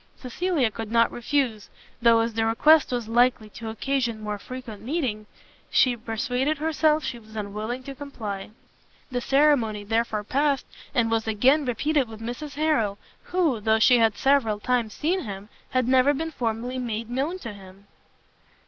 Cecilia could not refuse, though as the request was likely to occasion more frequent meetings, she persuaded herself she was unwilling to comply. The ceremony therefore past, and was again repeated with Mrs Harrel, who, though she had several times seen him, had never been formally made known to him.